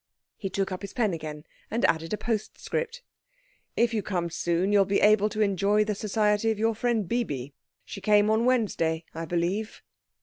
He took up his pen again and added a postscript. "If you come soon you will be able to enjoy the society of your friend Bibi. She came on Wednesday, I believe."